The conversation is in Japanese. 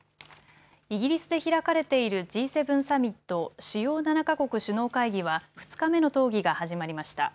イギリスで開かれているＧ７サミット・主要７か国首脳会議は、２日目の討議が始まりました。